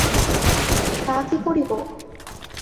তা কী করিব!